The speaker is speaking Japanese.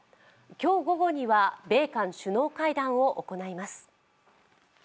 今日午後には米韓首脳会談を行います。